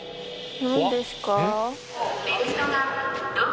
・何ですか？